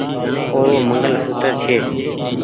او رو منگل ڇي